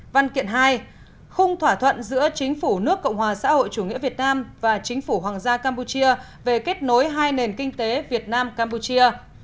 văn kiện hai khung thỏa thuận giữa chính phủ nước cộng hòa xã hội chủ nghĩa việt nam và chính phủ hoàng gia campuchia về kết nối hai nền kinh tế việt nam campuchia